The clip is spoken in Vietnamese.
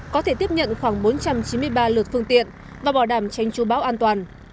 có thể tiếp nhận khoảng bốn trăm chín mươi ba lượt phương tiện và bảo đảm tránh chú bão an toàn